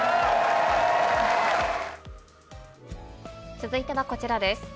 続いてはこちらです。